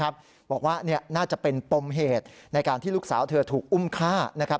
บอกว่าน่าจะเป็นปมเหตุในการที่ลูกสาวเธอถูกอุ้มฆ่านะครับ